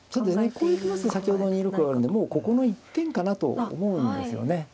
こう行きますと先ほどの２六があるんでもうここの一点かなと思うんですよね。